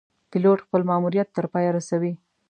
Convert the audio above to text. پیلوټ خپل ماموریت تر پایه رسوي.